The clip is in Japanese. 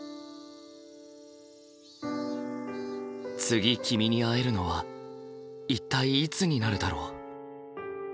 次君に会えるのは一体いつになるだろう。